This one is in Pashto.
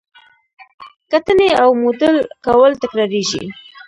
کتنې او موډل کول تکراریږي.